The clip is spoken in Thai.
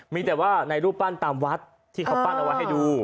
มีแต่ว่าในรูปปั้นตามวัดที่เขาปั้นเอาไว้ให้ดู